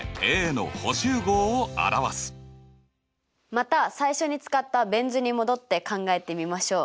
また最初に使ったベン図に戻って考えてみましょう。